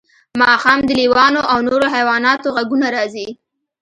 ماښام د لیوانو او نورو حیواناتو غږونه راځي